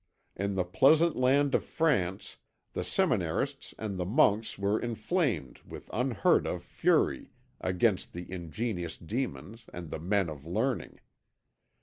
In the pleasant land of France, the seminarists and the monks were inflamed with unheard of fury against the ingenious demons and the men of learning.